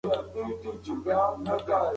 د ماشوم پر شونډو د تبې ځگونه راښکاره شول.